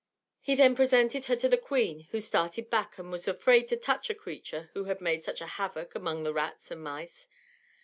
He then presented her to the queen, who started back, and was afraid to touch a creature who had made such a havoc among the rats and mice.